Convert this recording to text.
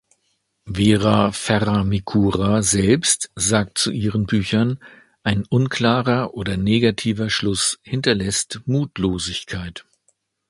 Vera Ferra-Mikura selbst sagt zu ihren Büchern: „Ein unklarer oder negativer Schluss hinterlässt Mutlosigkeit.